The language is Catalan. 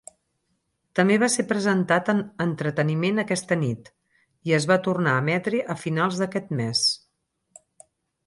També va ser presentat en "entreteniment aquesta nit" i es va tornar a emetre a finals d'aquest mes.